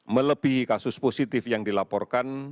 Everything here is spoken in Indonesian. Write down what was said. melebihi kasus positif yang dilaporkan